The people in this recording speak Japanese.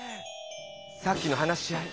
さっきの話し合い